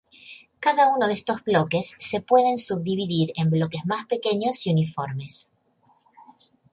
Cada uno de estos bloques se pueden subdividir en bloques más pequeños y uniformes.